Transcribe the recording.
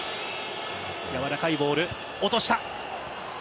やわらかいボール、落とした。